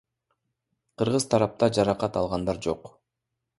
Кыргыз тарапта жаракат алгандар жок.